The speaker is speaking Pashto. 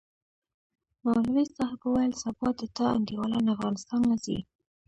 مولوي صاحب وويل سبا د تا انډيوالان افغانستان له زي.